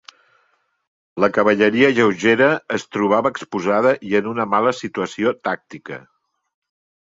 La cavalleria lleugera es trobava exposada i en una mala situació tàctica.